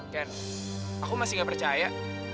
aku masih gak percaya